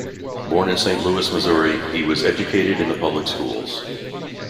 Born in Saint Louis, Missouri, he was educated in the public schools.